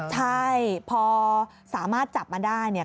ใช่พอสามารถจับมาได้เนี่ย